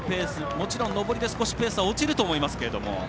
もちろん上りでペースは落ちると思いますが。